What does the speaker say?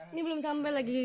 ini belum sampai lagi